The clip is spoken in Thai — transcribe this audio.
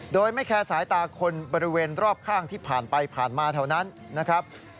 โดยไม่แคร์สายตาคนบริเวณรอบข้างที่ผ่านไปผ่านมาแถวนั้นนะครับ